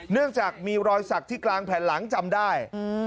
เนื่องจากมีรอยสักที่กลางแผ่นหลังจำได้